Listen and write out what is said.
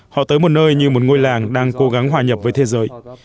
họ tới một nơi như một ngôi làng đang cố gắng hòa nhập với thế giới